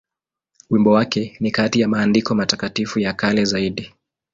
Wimbo wake ni kati ya maandiko matakatifu ya kale zaidi.